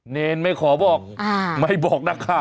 เนรไม่ขอบอกไม่บอกนักข่าว